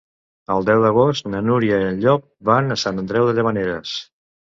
El deu d'agost na Núria i en Llop van a Sant Andreu de Llavaneres.